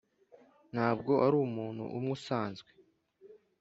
ntabwo ari umuntu umwe usanzwe.